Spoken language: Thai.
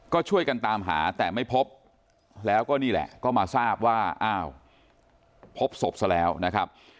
ก็ช่วยกันตามหาแต่ไม่พบแล้วก็นี่แหละก็มาทราบว่าอ้าวพบศพซะแล้วนะครับ